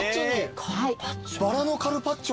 バラのカルパッチョ。